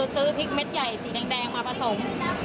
ซื้อพริกเม็ดใหญ่สีแดงมาผสม